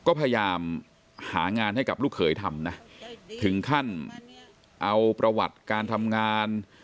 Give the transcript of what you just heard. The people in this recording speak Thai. ก็พยายามหางานให้กับลูกเขยทำนะถึงขั้นเอาประวัติการทำงาน